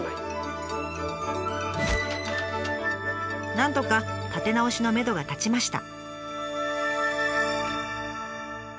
なんとか立て直しのめどが立ちました。